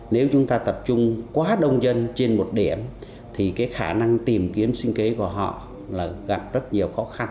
nếu chúng ta tập trung quá đông dân trên một điểm thì cái khả năng tìm kiếm sinh kế của họ là gặp rất nhiều khó khăn